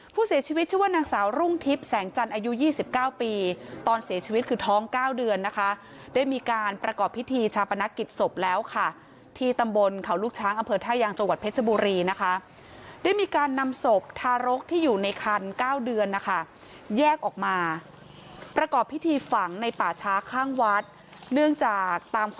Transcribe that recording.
ผู้เสียชีวิตชื่อว่านางสาวรุ่งทิพย์แสงจันทร์อายุ๒๙ปีตอนเสียชีวิตคือท้อง๙เดือนนะคะได้มีการประกอบพิธีชาปนกิจศพแล้วค่ะที่ตำบลเขาลูกช้างอำเภอท่ายางจังหวัดเพชรบุรีนะคะได้มีการนำศพทารกที่อยู่ในคัน๙เดือนนะคะแยกออกมาประกอบพิธีฝังในป่าช้าข้างวัดเนื่องจากตามค